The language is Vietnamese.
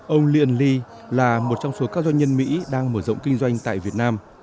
ông liên ly là một trong số các doanh nhân mỹ đang mở rộng kinh doanh tại việt nam